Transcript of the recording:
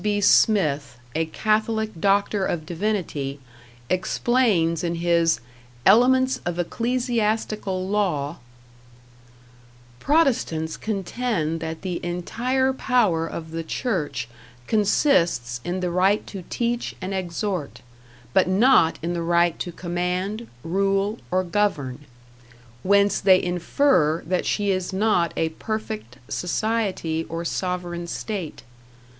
B. Smith, a Catholic doctor of divinity, explains in his "Elements of Ecclesiastical Law": Protestants contend that the entire power of the Church consists in the right to teach and exhort, but not in the right to command, rule, or govern; whence they infer that she is not a perfect society or sovereign state.